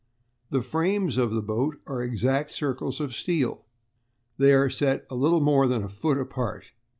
_ "The frames of the boat are exact circles of steel. They are set a little more than a foot apart.